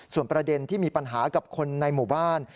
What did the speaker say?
ส่วนประเด็นที่มีปัญหากับคนในหมู่บ้าน